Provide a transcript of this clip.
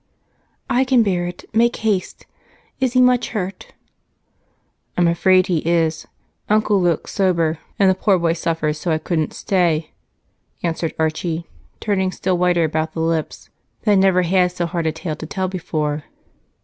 "I can bear it make haste! Is he much hurt?" "I'm afraid he is. Uncle looks sober, and the poor boy suffers so, I couldn't stay," answered Archie, turning still whiter about the lips that never had so hard a tale to tell before.